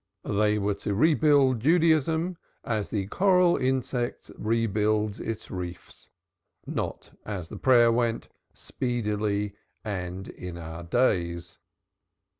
They were to rebuild Judaism as the coral insect builds its reefs not as the prayer went, "speedily and in our days."